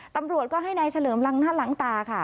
ตำรวจก็ให้นายเฉลิมล้างหน้าล้างตาค่ะ